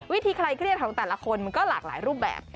วิธีคลายเครียดของแต่ละคนมันก็หลากหลายรูปแบบ